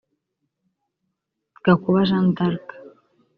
Gakuba Jeanne d’Arc